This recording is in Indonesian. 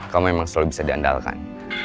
kamu memang selalu bisa diandalkan